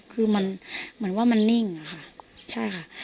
คือมันเหมือนว่ามันนิ่งอะค่ะใช่ค่ะ